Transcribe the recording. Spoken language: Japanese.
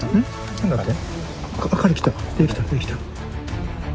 何だって？